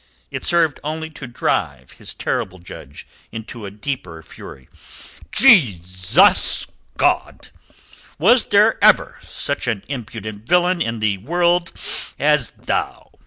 It served only to drive his terrible judge into a deeper fury. "Jesus God! Was there ever such an impudent villain in the world as thou?"